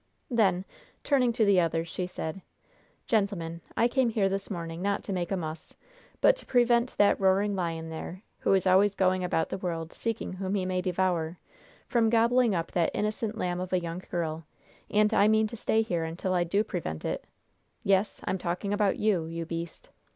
Then, turning to the others, she said: "Gentlemen, I came here this morning not to make a muss, but to prevent that roaring lion there who is always going about the world seeking whom he may devour from gobbling up that innocent lamb of a young girl; and I mean to stay here until I do prevent it. Yes! I'm talking about you, you beast!"